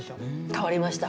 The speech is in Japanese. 変わりました。